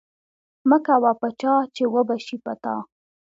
ـ مه کوه په چا ،چې وبشي په تا.